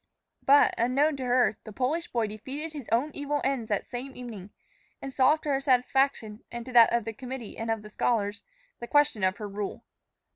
But, unknown to her, the Polish boy defeated his own evil ends that same evening, and solved to her satisfaction, and to that of the committee and the scholars, the question of her rule.